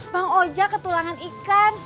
bang ojek ketulangan ikan